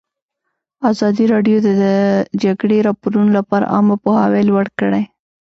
ازادي راډیو د د جګړې راپورونه لپاره عامه پوهاوي لوړ کړی.